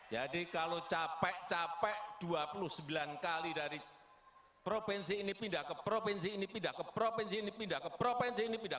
jadi kalau capek capek dua puluh sembilan kali dari provinsi ini pindah ke provinsi ini pindah ke provinsi ini pindah ke provinsi ini pindah